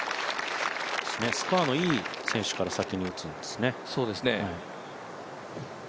スコアのいい選手から先に打つんですね。